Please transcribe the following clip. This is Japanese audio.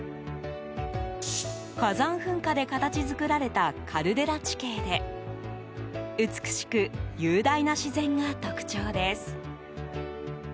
火山噴火で形作られたカルデラ地形で美しく雄大な自然が特徴です。